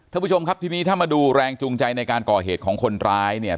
ท่านผู้ชมครับทีนี้ถ้ามาดูแรงจูงใจในการก่อเหตุของคนร้ายเนี่ย